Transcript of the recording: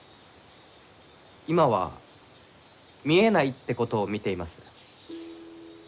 今は見えないってことを見ています。